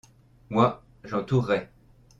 moi, j'entourais.